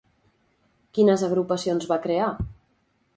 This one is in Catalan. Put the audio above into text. Quines agrupacions va crear?